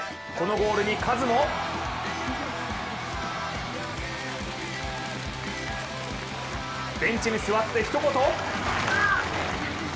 このゴールにカズもベンチに座って、ひと言。